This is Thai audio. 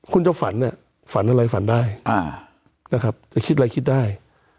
คุณจะฝันเนี่ยฝันอะไรฝันได้นะครับจะคิดอะไรคิดได้